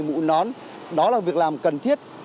mũ nón đó là việc làm cần thiết